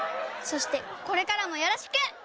そしてこれからもよろしく！